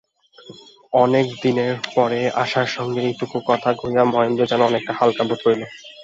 অনেক দিনের পরে আশার সঙ্গে এইটুকু কথা কহিয়া মহেন্দ্র যেন অনেকটা হালকা বোধ করিল।